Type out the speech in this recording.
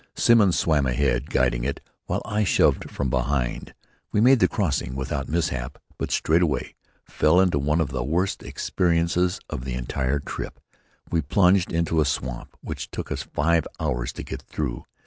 Simmons swam ahead, guiding it, while I shoved from behind. We made the crossing without mishap but straightway fell into one of the worst experiences of the entire trip. We plunged into a swamp which took us five hours to get through.